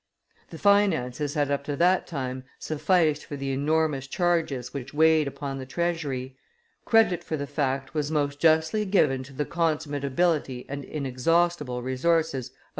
The finances had up to that time sufficed for the enormous charges which weighed upon the treasury; credit for the fact was most justly given to the consummate ability and inexhaustible resources of M.